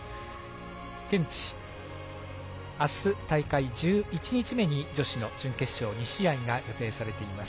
現地明日、大会１１日目に女子の準決勝２試合が予定されています。